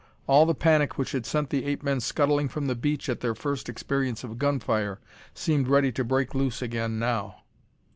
All the panic which had sent the ape men scuttling from the beach at their first experience of gunfire, seemed ready to break loose again now.